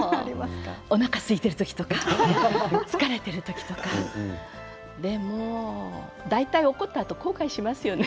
おなかがすいてる時とか疲れている時とかでも大体怒ったあと後悔しますよね。